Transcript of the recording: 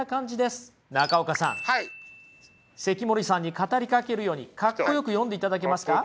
中岡さん関森さんに語りかけるようにかっこよく読んでいただけますか？